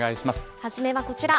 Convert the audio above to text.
初めはこちら。